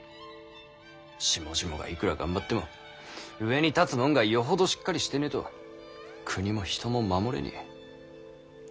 下々がいくら頑張っても上に立つもんがよほどしっかりしてねぇと国も人も守れねぇ。